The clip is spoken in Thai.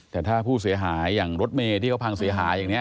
แต่ถ้าผู้เสียหายที่ว่ารถเมจะพังเสียหายอย่างนี้